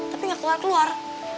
tapi gak keluar keluar